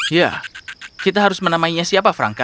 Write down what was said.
ya kita harus menamainya siapa frangka